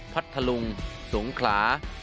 พัทธลุงสงขลา